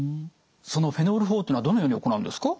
そのフェノール法というのはどのように行うんですか？